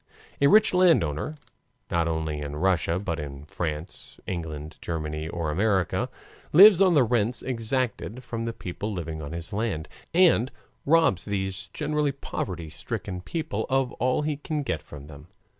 A rich landowner not only in Russia, but in France, England, Germany, or America lives on the rents exacted; from the people living on his land, and robs these generally poverty stricken people of all he can get from them.